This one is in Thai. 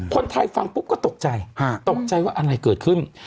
คนไทยฟังปุ๊บก็ตกใจตกใจว่าอะไรเกิดขึ้น